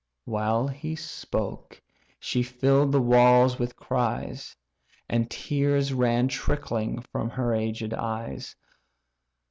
While yet he spoke, she fill'd the walls with cries, And tears ran trickling from her aged eyes.